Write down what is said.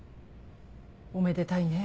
おめでたいね。